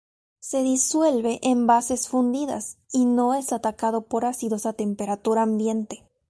Se disuelve en bases fundidas, y no es atacado por ácidos a temperatura ambiente.